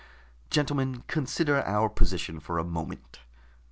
"Gentlemen, consider our position for a moment.